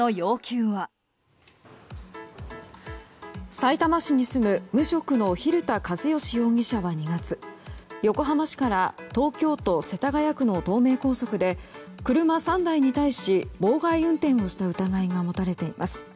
さいたま市に住む無職の蛭田和良容疑者は２月、横浜市から東京都世田谷区の東名高速で車３台に対し妨害運転をした疑いが持たれています。